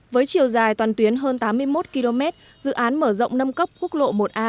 với chiều dài toàn tuyến hơn tám mươi một km dự án mở rộng nâng cấp quốc lộ một a